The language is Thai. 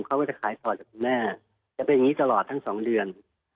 เขาก็จะขายพอร์ตจากคุณแม่จะเป็นอย่างนี้ตลอดทั้ง๒เดือน